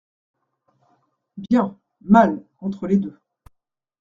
Bien, mal, entre les deux.